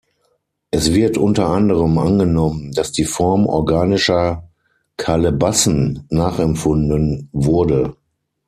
Es wird unter anderem angenommen, dass die Form organischer Kalebassen nachempfunden wurde.